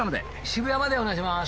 渋谷までお願いします。